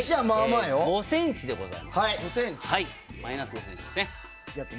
マイナス５ｃｍでございます。